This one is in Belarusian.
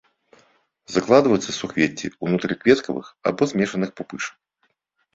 Закладваюцца суквецці ўнутры кветкавых або змешаных пупышак.